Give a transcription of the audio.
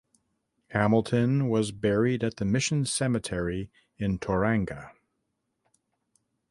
Hamilton was buried at the Mission Cemetery in Tauranga.